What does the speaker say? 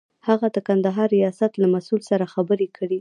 هغه د کندهار ریاست له مسئول سره خبرې کړې.